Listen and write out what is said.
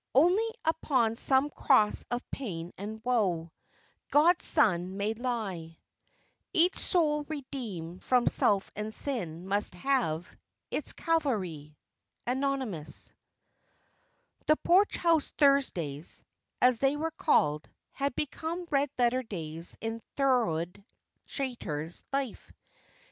"Only upon some cross of pain and woe, God's Son may lie. Each soul redeemed from self and sin, must have Its Calvary." ANON. "The Porch House Thursdays," as they were called, had become red letter days in Thorold Chaytor's life.